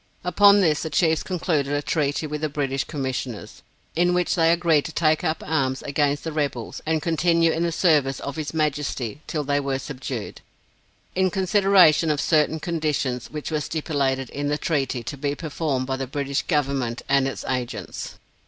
Upon this the Chiefs concluded a treaty with the British Commissioners, in which they agreed to take up arms against the rebels, and continue in the service of his Majesty till they were subdued, in consideration of certain conditions which were stipulated in the treaty to be performed by the British government and its agents.